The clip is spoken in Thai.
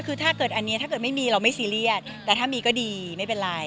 คือถ้าเกิดอันนี้ถ้าเกิดไม่มีเราไม่ซีเรียสแต่ถ้ามีก็ดีไม่เป็นไร